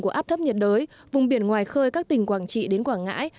của áp thấp nhiệt đới vùng biển ngoài khơi các tỉnh quảng trị đến quảng ngãi